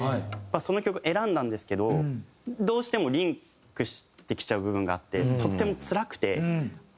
その曲選んだんですけどどうしてもリンクしてきちゃう部分があってとってもつらくて。